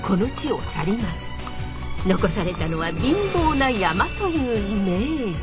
残されたのはというイメージ。